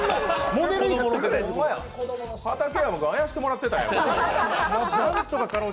畠山があやしてもらってたんや。